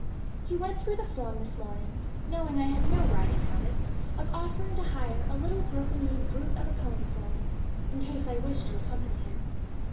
He went through the form this morning (knowing I had no riding habit) of offering to hire a little broken kneed brute of a pony for me, in case I wished to accompany him!